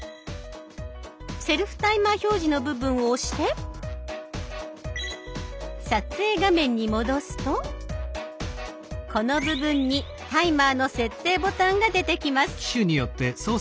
「セルフタイマー表示」の部分を押して撮影画面に戻すとこの部分にタイマーの設定ボタンが出てきます。